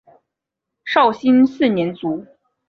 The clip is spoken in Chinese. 绍兴四年卒。